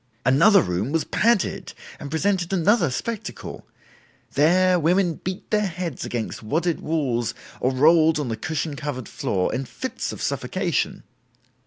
"Another room was padded and presented another spectacle. There women beat their heads against wadded walls or rolled on the cushion covered floor, in fits of suffocation.